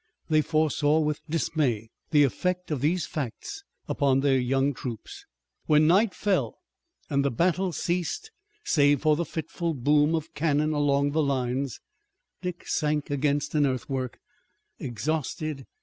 They foresaw with dismay the effect of these facts upon their young troops. When the night fell, and the battle ceased, save for the fitful boom of cannon along the lines, Dick sank against an earthwork, exhausted.